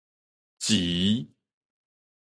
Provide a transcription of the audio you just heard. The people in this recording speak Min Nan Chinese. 糍